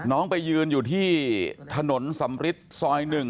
น้องไปยืนอยู่ที่ถนนสำริทซอย๑